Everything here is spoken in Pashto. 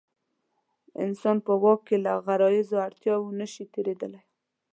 انسان په واک کې له غریزو اړتیاوو نه شي تېرېدلی.